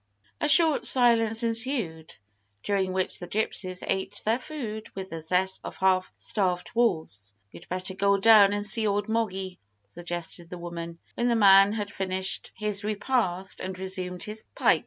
A short silence ensued, during which the gypsies ate their food with the zest of half starved wolves. "You'd better go down and see old Moggy," suggested the woman, when the man had finished his repast and resumed his pipe.